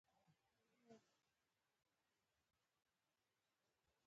بده لا دا چې ځینو مسلمان تاریخ لیکونکو هم په دې بریدونو خبرې وکړې.